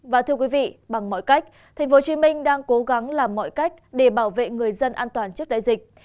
và thưa quý vị bằng mọi cách tp hcm đang cố gắng làm mọi cách để bảo vệ người dân an toàn trước đại dịch